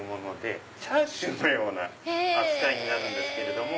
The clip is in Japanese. チャーシューのような扱いになるんですけれども。